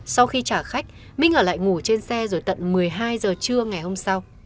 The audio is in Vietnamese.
sau khi trả khách minh ở lại ngủ trên xe rồi tận một mươi hai giờ trưa ngày hôm sau